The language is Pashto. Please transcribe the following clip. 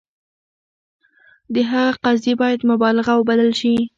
د هغه قضیې باید مبالغه وبلل شي.